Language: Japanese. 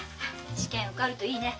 試験受かるといいね。